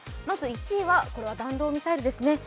まず１位は弾道ミサイルですね。